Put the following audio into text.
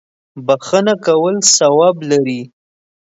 بخښه کول ثواب لري.